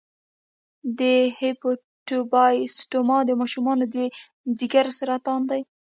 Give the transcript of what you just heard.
د هیپاټوبلاسټوما د ماشومانو د ځګر سرطان دی.